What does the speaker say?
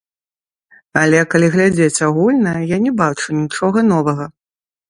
Але, калі глядзець агульна, я не бачу нічога новага.